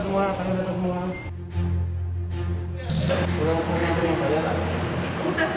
semua tangan ke atas